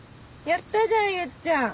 やったじゃんゆっちゃん。